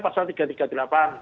pasal tiga ratus tiga puluh delapan